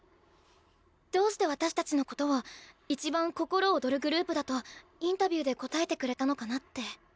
どうして私たちのことを一番心躍るグループだとインタビューで答えてくれたのかなって。